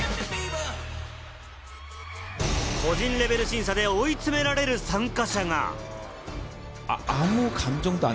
個人レベル審査で追い詰められる参加者が。